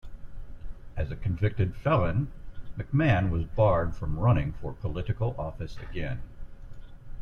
As a convicted felon, McCann was barred from running for political office again.